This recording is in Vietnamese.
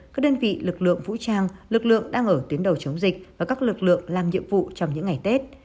các đơn vị lực lượng vũ trang lực lượng đang ở tuyến đầu chống dịch và các lực lượng làm nhiệm vụ trong những ngày tết